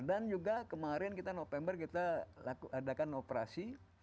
juga kemarin kita november kita adakan operasi